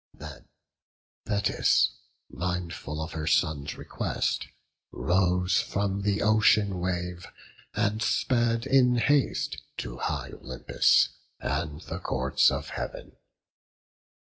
Then Thetis, mindful of her son's request, Rose from the ocean wave, and sped in haste To high Olympus, and the courts of Heav'n.